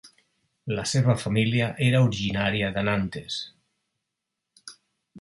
La seva família era originària de Nantes.